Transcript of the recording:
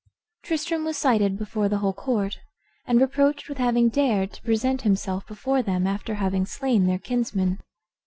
Tristram was cited before the whole court, and reproached with having dared to present himself before them after having slain their kinsman.